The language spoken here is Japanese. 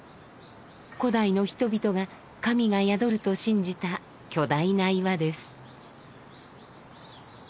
古代の人々が神が宿ると信じた巨大な岩です。